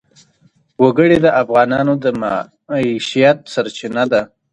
وګړي د افغانانو د معیشت سرچینه ده.